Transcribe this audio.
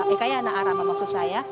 eka ya anak arah maksud saya